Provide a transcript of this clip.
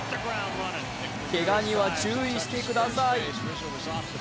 けがには注意してください。